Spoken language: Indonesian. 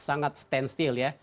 sangat standstill ya